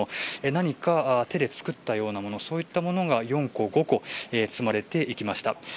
何か手で作ったようなものそういったものが４個、５個積まれていきました。